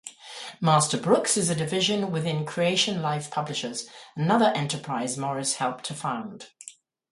Master Books is a division within Creation-Life Publishers, another enterprise Morris helped to found.